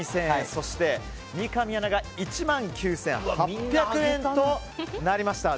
そして、三上アナが１万９８００円となりました。